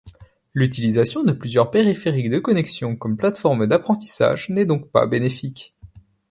L'utilisation de plusieurs périphériques de connexion comme plate-forme d'apprentissage n'est donc pas bénéfique.